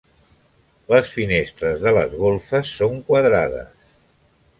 Les finestres de les golfes són quadrades.